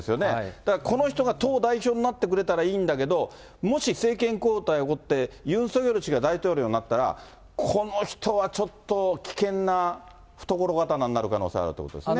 だからこの人が党代表になってくれたらいいんだけれども、もし政権交代が起こって、ユン・ソギョル氏が大統領になったら、この人は、ちょっと危険な懐刀になる可能性があるということですね。